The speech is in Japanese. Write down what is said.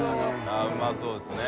◆舛うまそうですね。